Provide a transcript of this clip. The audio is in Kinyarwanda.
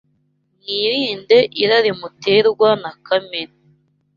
Mwirinde irari muterwa na kamere